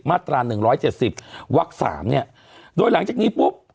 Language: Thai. ตราหนึ่งร้อยเจ็ดสิบวักสามเนี่ยโดยหลังจากนี้ปุ๊บ